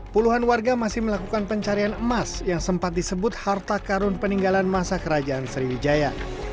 puluhan warga masih melakukan pencarian emas yang sempat disebut harta karun peninggalan masa kerajaan sriwijaya